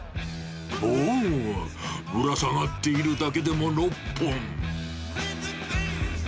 おー、ぶら下がっているだけでも６本。